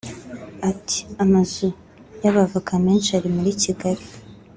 Ati “ Amazu y’abavoka menshi ari muri Kigali